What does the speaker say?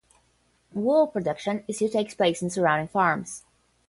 Wool production still takes place in the surrounding farms.